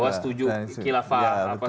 bahwa setuju dikilafah apa segala macam gitu ya